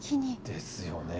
ですよね。